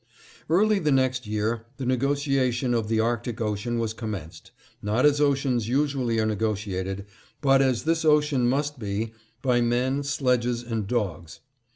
Early the next year, the negotiation of the Arctic Ocean was commenced, not as oceans usually are negotiated, but as this ocean must be, by men, sledges, and dogs.